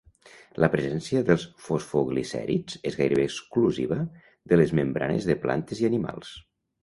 La presència de fosfoglicèrids és gairebé exclusiva de les membranes de plantes i animals.